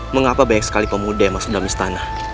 mengapa banyak sekali pemuda yang masuk dalam istana